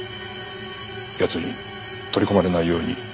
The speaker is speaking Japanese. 奴に取り込まれないように気をつけろ。